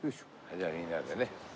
じゃあみんなでね。